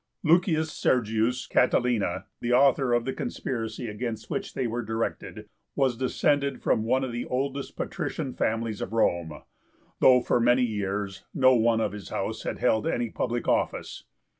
L. Sergius Catilina, the author of the conspiracy against which they were directed, was descended from one of the oldest patrician families of Rome, though for many years no one of his house had held any public office.